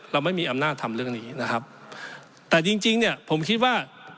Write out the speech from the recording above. เราไม่มีอำนาจทำเรื่องนี้นะครับแต่จริงจริงเนี่ยผมคิดว่า